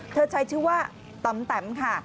เธอใช้ชื่อว่าตำแต๋มค่ะ